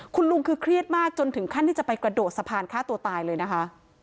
คุณลุงคือเครียดมากจนถึงขั้นที่จะไปกระโดดสะพานฆ่าตัวตายเลยนะคะ